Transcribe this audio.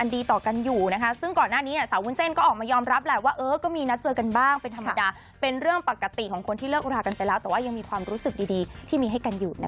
เดี๋ยวมันก็ต้องเจอ